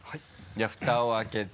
じゃあフタを開けて。